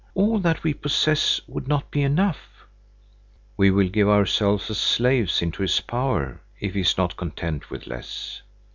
All that we possess would not be enough." "We will give ourselves as slaves into his power, if he is not content with less."